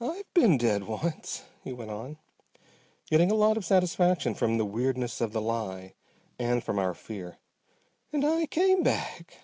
"I've been dead once," he went on, getting a lot of satisfaction from the weirdness of the lie and from our fear, "and I came back.